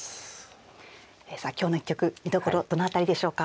さあ今日の一局見どころどの辺りでしょうか？